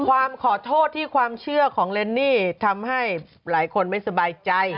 ความขอโทษที่ความเชื่อของเรนนี่ทำให้หลายคนไม่สบายใจ